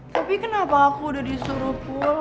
tapi kenapa aku udah disuruh pulang